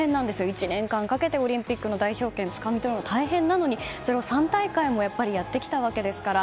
１年間かけてオリンピックの代表権をつかみ取るのは大変なのに、それを３大会もやってきたわけですから。